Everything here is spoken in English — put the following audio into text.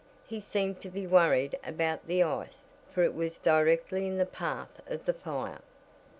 He seemed to be worried about the ice, for it was directly in the path of the fire."